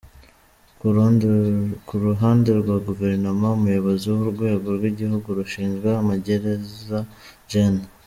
Ku ruhande rwa Guverinoma, Umuyobozi w’urwego rw’igihugu rushinzwe amagereza, Gen.